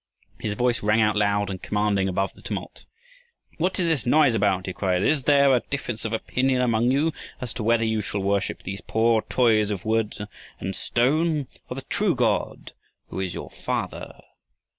His voice rang out loud and commanding above the tumult. "What is this noise about?" he cried. "Is there a difference of opinion among you as to whether you shall worship these poor toys of wood and stone, or the true God who is your Father?"